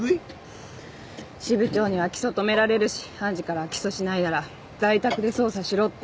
支部長には起訴止められるし判事からは起訴しないなら在宅で捜査しろって。